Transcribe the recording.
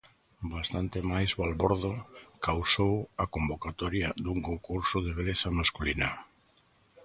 Bastante máis balbordo causou a convocatoria dun concurso de beleza masculina.